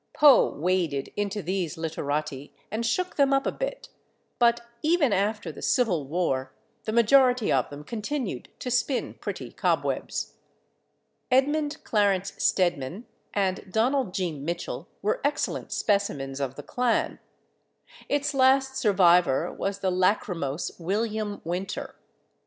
Poe waded into these literati and shook them up a bit, but even after the Civil War the majority of them continued to spin pretty cobwebs. Edmund Clarence Stedman and Donald G. Mitchell were excellent specimens of the clan; its last survivor was the lachrymose William Winter.